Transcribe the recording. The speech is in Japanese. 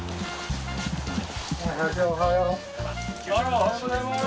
△おはようございます。